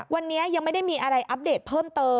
วันนี้ยังไม่ได้มีอะไรอัปเดตเพิ่มเติม